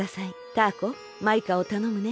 タアコマイカをたのむね。